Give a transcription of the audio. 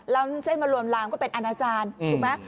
แล้วเส้นมารวมลามก็เป็นอาณาจารย์ถูกไหม